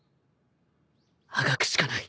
あがくしかない。